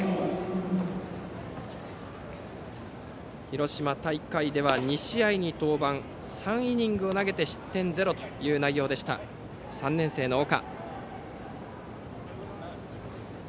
広島大会では２試合に登板３イニングを投げて失点０という内容でした３年生の岡。